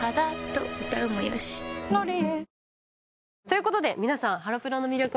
ということで皆さん。